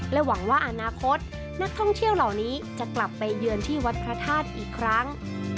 หวังว่าอนาคตนักท่องเที่ยวเหล่านี้จะกลับไปเยือนที่วัดพระธาตุอีกครั้ง